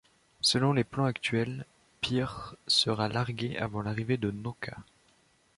Selon les plans actuels, Pirs sera largué avant l'arrivée de Nauka.